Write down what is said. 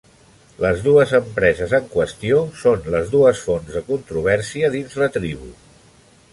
Les dues empreses en qüestió són les dues fonts de controvèrsia dins la tribu.